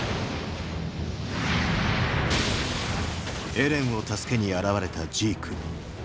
エレンを助けに現れたジーク。